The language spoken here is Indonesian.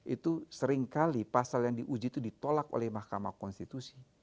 itu seringkali pasal yang diuji itu ditolak oleh mahkamah konstitusi